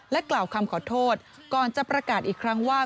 กล่าวคำขอโทษก่อนจะประกาศอีกครั้งว่า